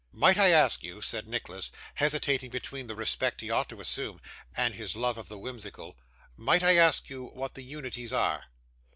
'Might I ask you,' said Nicholas, hesitating between the respect he ought to assume, and his love of the whimsical, 'might I ask you what the unities are?